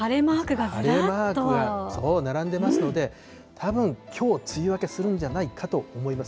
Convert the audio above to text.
晴れマークが並んでますので、たぶんきょう梅雨明けするんじゃないかと思います。